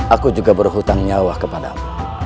aku juga berhutang nyawa kepadamu